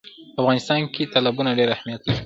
په افغانستان کې تالابونه ډېر اهمیت لري.